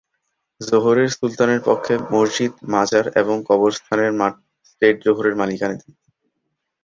জোহরের সুলতানের পক্ষে মসজিদ, মাজার এবং কবরস্থানের মাঠ স্টেট জোহরের মালিকানাধীন।